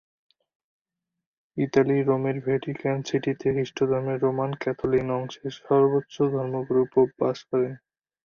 ইতালির রোমের ভ্যাটিকান সিটিতে খ্রিস্টধর্মের রোমান ক্যাথলিক অংশের সর্বোচ্চ ধর্মগুরু পোপ বাস করেন।